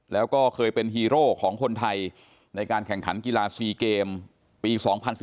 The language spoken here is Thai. แล้วก็เคยเป็นฮีโร่ของคนไทยในการแข่งขันกีฬา๔เกมปี๒๐๑๙